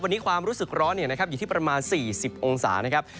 วันนี้ความรู้สึกร้อนอยู่ที่ประมาณ๔๐องศานะครับ